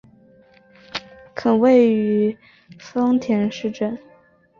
县莅位于丰田市镇。